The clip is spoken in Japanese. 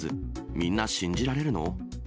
みんな信じられるの？